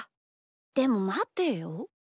でもまてよ？